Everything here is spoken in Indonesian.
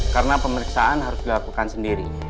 karena pemeriksaan harus dilakukan sendiri